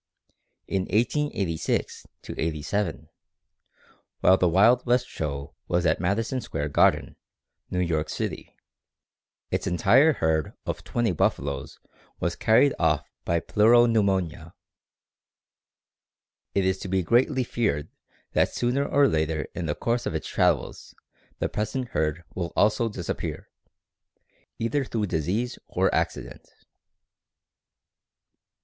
In 1886 '87, while the Wild West Show was at Madison Square Garden, New York City, its entire herd of twenty buffaloes was carried off by pleuro pneumonia. It is to be greatly feared that sooner or later in the course of its travels the present herd will also disappear, either through disease or accident.